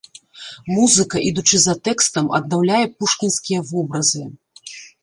Музыка, ідучы за тэкстам, аднаўляе пушкінскія вобразы.